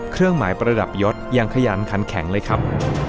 เครื่องหมายประดับยศยังขยันขันแข็งเลยครับ